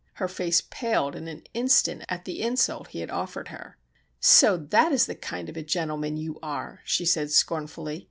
Her face paled in an instant at the insult he had offered her. "So that is the kind of a gentleman you are," she said, scornfully.